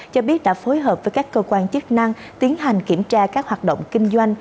cho biết đã phối hợp với các cơ quan chức năng tiến hành kiểm tra các hoạt động kinh doanh